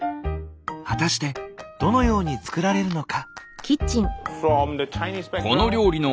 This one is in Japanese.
果たしてどのように作られるのか？